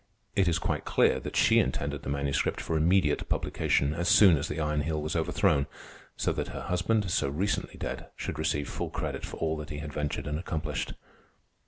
It is quite clear that she intended the Manuscript for immediate publication, as soon as the Iron Heel was overthrown, so that her husband, so recently dead, should receive full credit for all that he had ventured and accomplished.